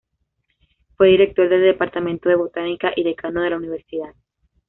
Fue director del Departamento de Botánica y decano de la Universidad.